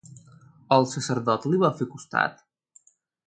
El sacerdot li va fer costat?